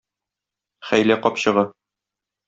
Хәйлә капчыгы